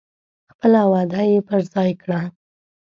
خپله وعده یې پر ځای کړه.